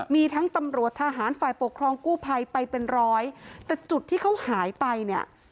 มีทั้งตำรวจทหารฝ่ายปกครองกู้ภัยไปเป็นร้อยแต่จุดที่เขาหายไปเนี่ย